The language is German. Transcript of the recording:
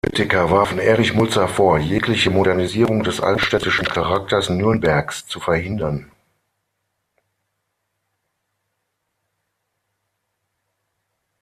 Kritiker warfen Erich Mulzer vor, jegliche Modernisierung des altstädtischen Charakters Nürnbergs zu verhindern.